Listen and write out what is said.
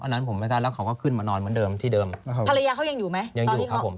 นั้นผมไม่ทราบแล้วเขาก็ขึ้นมานอนเหมือนเดิมที่เดิมภรรยาเขายังอยู่ไหมยังอยู่ครับผม